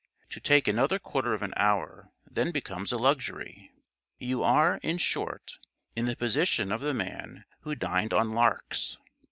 To take another quarter of an hour then becomes a luxury. You are, in short, in the position of the man who dined on larks.